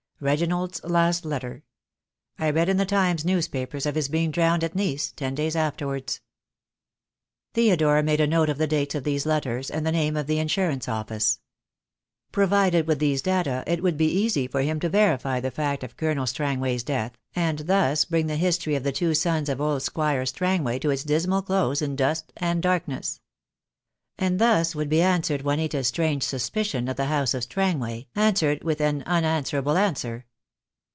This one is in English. "Reginald's last letter. I read in the Times news paper of his being drowned at Nice ten days afterwards." Theodore made a note of the dates of these letters, and the name of the insurance office. Provided with these data it would be easy for him to verify the fact of Colonel Strangway's death, and thus bring the history of the two sons of old Squire Strangway to its dismal close in dust and darkness. And thus would be answered Juanita's strange sus picion of the house of Strangway, answered with an un answerable answer.